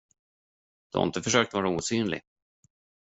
Du har inte försökt vara osynlig.